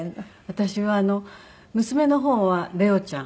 私は娘の方はレオちゃん。